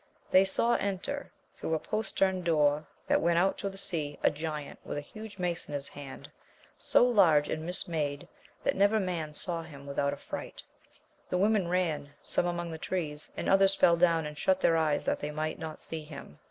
They saw enter through a postern door, that went out to the sea, a giant, with a hug© mace in hia hand, so lar^e AMADIS OF GJO'L. 25 and mismade that never man saw him without afiright. The women ran, some among the trees, and others fell down and shut their eyes that they might not see him.